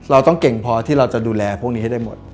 เราต้องเก่งพอที่เราจะดูแลพวกนี้ให้ได้หมด